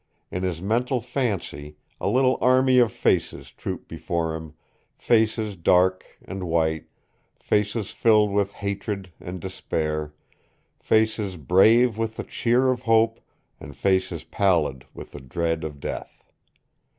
In his mental fancy a little army of faces trooped before him, faces dark and white, faces filled with hatred and despair, faces brave with the cheer of hope and faces pallid with the dread of death.